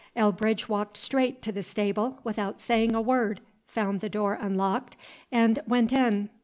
Elbridge walked straight to the stable, without saying a word, found the door unlocked, and went in.